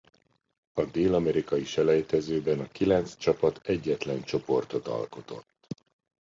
A dél-amerikai selejtezőben a kilenc csapat egyetlen csoportot alkotott.